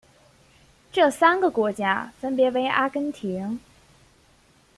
这三个国家分别为阿根廷。